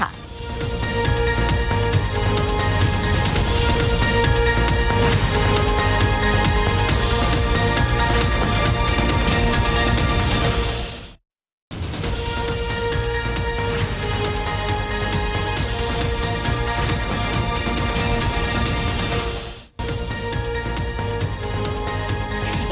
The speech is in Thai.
ะเด้นะปลา